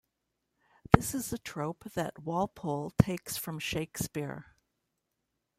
This is a trope that Walpole takes from Shakespeare.